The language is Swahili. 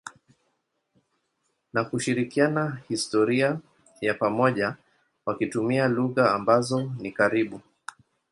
na kushirikiana historia ya pamoja wakitumia lugha ambazo ni karibu.